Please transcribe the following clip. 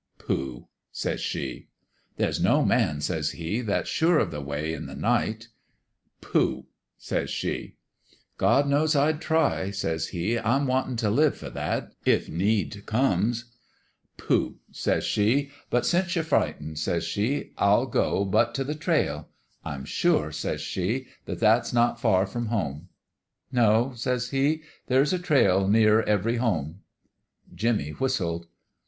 "' Pooh !' says she, "' There's no man,' says he, ' that's sure of the way in the night.' "' Pooh !' says she. FAIRMEADOWS JUSTICE 235 "* God knows I'd try ! 7 says he. * I'm wantin' t' live for that if need comes.' "' Pooh 1 ' says she. ' But since you're fright ened,' says she, Til go but t' the trail. I'm sure,' says she, ' that that s not far from home.' "* No,' says he ;* there's a trail near every home.' "Jimmie whistled.